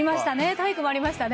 体育もありましたね。